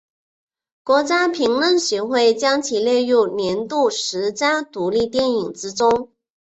国家评论协会将其列入年度十佳独立电影之中。